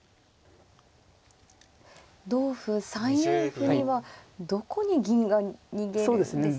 同歩３四歩にはどこに銀が逃げるんですかね？